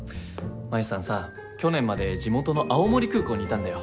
真夢さんさ去年まで地元の青森空港にいたんだよ。